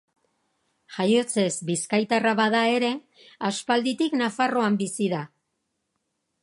Jaiotzez bizkaitarra bada ere, aspalditik Nafarroan bizi da.